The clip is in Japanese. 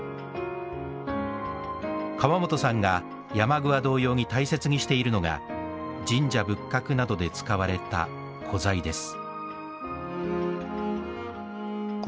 川本さんがヤマグワ同様に大切にしているのが神社仏閣などで使われた古材です。